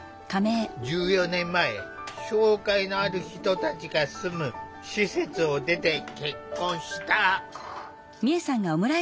１４年前障害のある人たちが住む施設を出て結婚した。